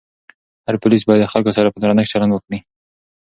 هر پولیس باید د خلکو سره په درنښت چلند وکړي.